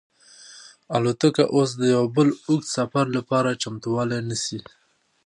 الوتکه اوس د یو بل اوږد سفر لپاره چمتووالی نیسي.